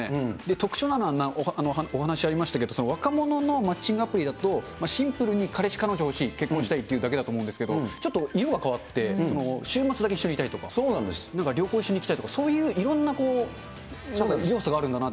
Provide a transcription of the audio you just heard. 特徴なのは、お話ありましたけど、若者のマッチングアプリだと、シンプルに彼氏彼女欲しい、結婚したいというだけだと思うんですけれども、ちょっと色が変わって、週末だけ一緒にいたいとか、なんか旅行しに行きたいとか、そういういろんな要素があるんだなって。